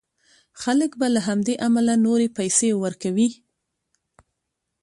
خلک به له همدې امله نورې پيسې ورکوي.